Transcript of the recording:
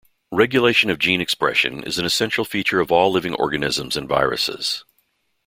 Regulation of gene expression is an essential feature of all living organisms and viruses.